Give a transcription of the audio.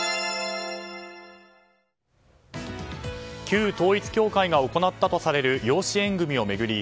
旧統一教会が行ったとされる養子縁組を巡り